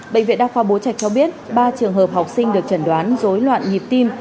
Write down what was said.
bệnh viện đa khoa bố trạch cho biết ba trường hợp học sinh được chẩn đoán dối loạn nhịp tim